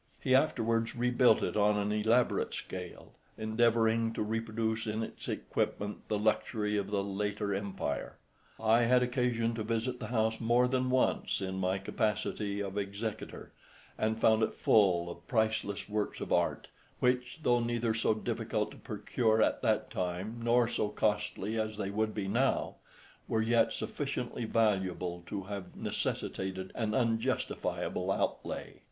He afterwards rebuilt it on an elaborate scale, endeavouring to reproduce in its equipment the luxury of the later empire. I had occasion to visit the house more than once in my capacity of executor, and found it full of priceless works of art, which, though neither so difficult to procure at that time nor so costly as they would be now, were yet sufficiently valuable to have necessitated an unjustifiable outlay.